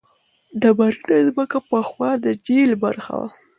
ډبرینه ځمکه پخوا د جهیل برخه وه.